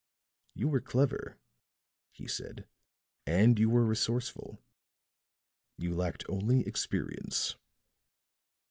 "You were clever," he said; "and you were resourceful. You lacked only experience."